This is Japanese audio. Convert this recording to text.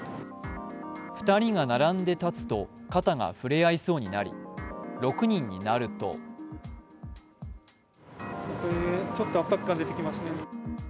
２人が並んで立つと、肩が触れ合いそうになり６人になるとちょっと圧迫感出てきました。